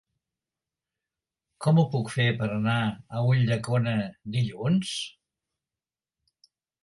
Com ho puc fer per anar a Ulldecona dilluns?